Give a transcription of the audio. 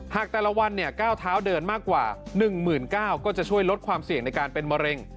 แต่ละวันก้าวเท้าเดินมากกว่า๑๙๐๐ก็จะช่วยลดความเสี่ยงในการเป็นมะเร็ง